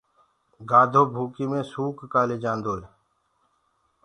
گآڌو ڀوڪي مي سوڪَ ڪآلي جآنٚدوئي